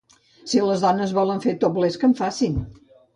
Si les dones volen fer topless, que en facin.